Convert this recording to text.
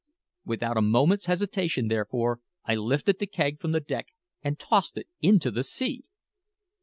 Without a moment's hesitation, therefore, I lifted the keg from the deck and tossed it into the sea!